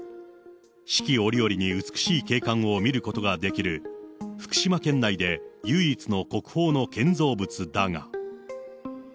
四季折々に美しい景観を見ることができる、福島県内で唯一の国宝の建造物だが。